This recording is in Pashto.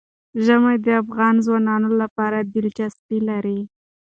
ژمی د افغان ځوانانو لپاره دلچسپي لري.